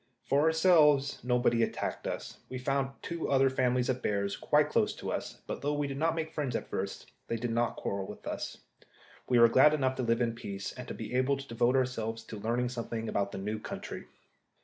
For ourselves, nobody attacked us. We found two other families of bears quite close to us, but though we did not make friends at first, they did not quarrel with us. We were glad enough to live in peace, and to be able to devote ourselves to learning something about the new country.